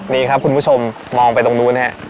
นี่ครับคุณผู้ชมมองไปตรงนู้นนะครับ